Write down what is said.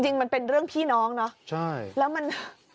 จริงมันเป็นเรื่องพี่น้องนะแล้วมันใช่